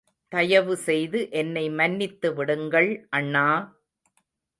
தயவு செய்து என்னை மன்னித்து விடுங்கள் அண்ணா!